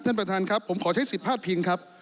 ท่านประธานครับผมขอใช้๑๕พิงค์ครับ